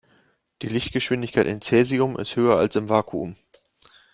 Die Lichtgeschwindigkeit in Cäsium ist höher als im Vakuum.